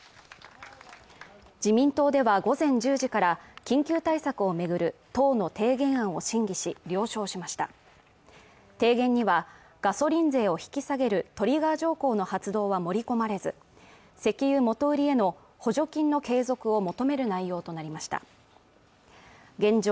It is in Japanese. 自民党では午前１０時から緊急対策を巡る党の提言案を審議し了承しました提言にはガソリン税を引き下げるトリガー条項の発動は盛り込まれず石油元売りへの補助金の継続を求める内容となりました現状